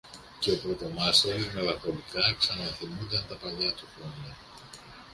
και ο πρωτομάστορης μελαγχολικά ξαναθυμούνταν τα παλιά του χρόνια